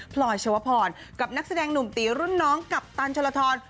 พลอยชวพรกับนักแสดงหนุ่มตีรุ่นน้องกัปตันชลทร